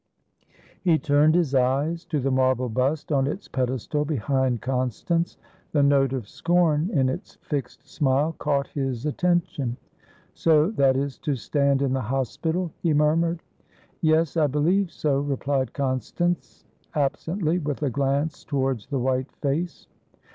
He turned his eyes to the marble bust on its pedestal behind Constance. The note of scorn in its fixed smile caught his attention. "So that is to stand in the Hospital," he murmured. "Yes, I believe so," replied Constance, absently, with a glance towards the white face.